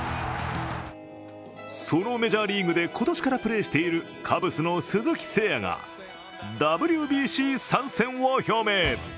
そのメジャーリーグで今年からプレーしているカブスの鈴木誠也がＷＢＣ参戦を表明。